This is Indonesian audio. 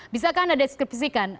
bisakah anda deskripsikan